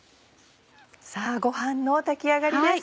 さぁご飯の炊き上がりです。